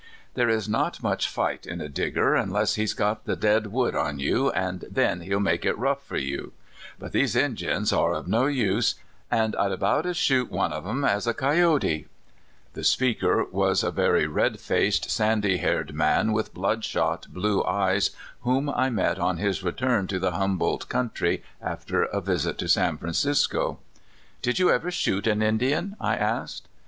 " There is not much light in a Digger unless he's got the dead wood on you, an' then he'll make it rough for you. But these Injuns are of no use, an' I'd about as soon shoot one of 'em as a coyote" (ki o te). The speaker was a very red faced, sandy haired man, with bloodshot, blue eyes, whom I met on his return to the Humboldt country, after a visit to San Francisco. " Did you ever shoot an Indian?'" I asked.